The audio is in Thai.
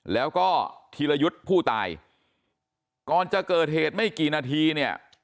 แล้วก็ธีรยุทธ์ผู้ตายก่อนจะเกิดเหตุไม่กี่นาทีเนี่ย